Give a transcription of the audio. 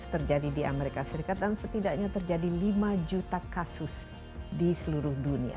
terjadi di amerika serikat dan setidaknya terjadi lima juta kasus di seluruh dunia